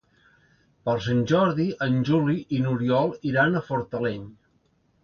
Per Sant Jordi en Juli i n'Oriol iran a Fortaleny.